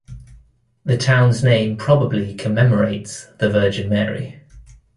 The town's name probably commemorates the Virgin Mary.